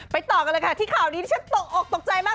ต่อกันเลยค่ะที่ข่าวนี้ที่ฉันตกออกตกใจมาก